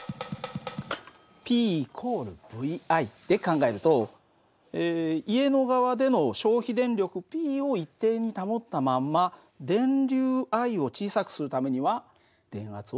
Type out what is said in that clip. Ｐ＝ＶＩで考えると家の側での消費電力Ｐを一定に保ったまんま電流Ｉを小さくするためには電圧を？